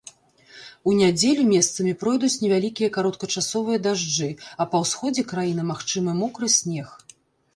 У нядзелю месцамі пройдуць невялікія кароткачасовыя дажджы, а па ўсходзе краіны магчымы мокры снег.